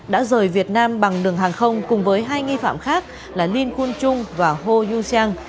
đã rời việt nam bằng đường hàng không cùng với hai nghi phạm khác là linh khun trung và hô du seng